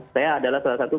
saya adalah salah satu